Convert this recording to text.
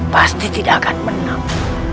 pasti tidak akan menang